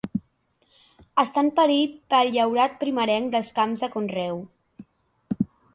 Està en perill pel llaurat primerenc dels camps de conreu.